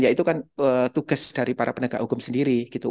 ya itu kan tugas dari para penegak hukum sendiri gitu